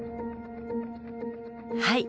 はい。